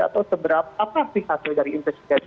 atau seberapa apa sih hasil dari investigasi